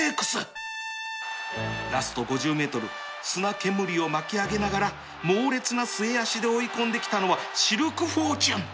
ラスト ５０ｍ 砂煙を巻き上げながら猛烈な末脚で追い込んできたのはシルクフォーチュン